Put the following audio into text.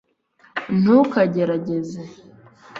ntukagerageze